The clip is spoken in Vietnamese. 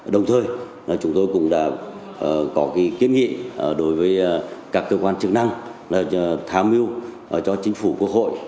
đồng thời chúng tôi cũng đã có kiến nghị đối với các cơ quan chức năng tham mưu cho chính phủ quốc hội